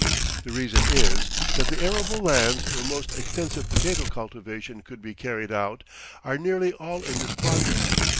The reason is that the arable lands where most extensive potato cultivation could be carried out are nearly all in this quadrant.